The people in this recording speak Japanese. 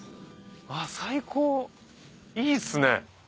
最高いいっすね。